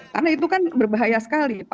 karena itu kan berbahaya sekali